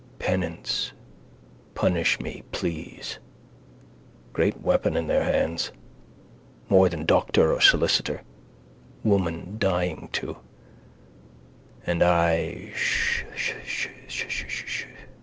Penance. Punish me, please. Great weapon in their hands. More than doctor or solicitor. Woman dying to. And I schschschschschsch.